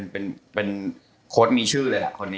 เป็นโค้ดมีชื่อเลยแหละคนนี้